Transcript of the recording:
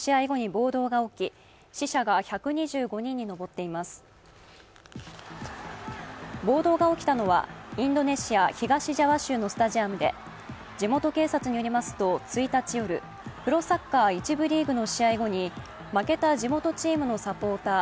暴動が起きたのはインドネシア東ジャワ州のスタジアムで、地元警察によりますと１日夜、プロサッカー１部リーグの試合後に負けた地元チームのサポーター